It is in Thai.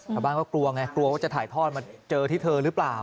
มันก็กลัวไงกลัวว่าจะถ่ายทอดมาเจอที่เธอหรือเปล่า